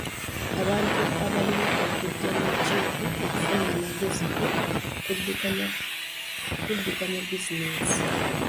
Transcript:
Abantu balina okujja mu lukiiko okufuna amagezi ku kuddukanya bizinensi.